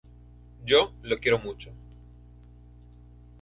Yo le quiero mucho.